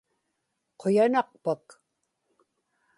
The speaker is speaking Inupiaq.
quyanaqpak